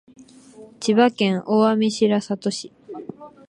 千葉県大網白里市